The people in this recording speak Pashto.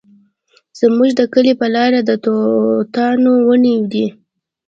زموږ د کلي په لاره د توتانو ونې دي